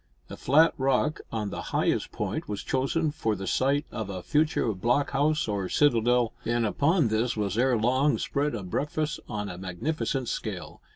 A flat rock on the highest point was chosen for the site of a future block house or citadel, and upon this was ere long spread a breakfast on a magnificent scale.